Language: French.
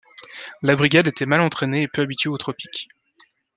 La brigade était mal entraînée et peu habituée aux tropiques.